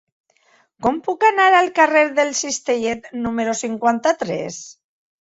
Com puc anar al carrer del Cistellet número cinquanta-tres?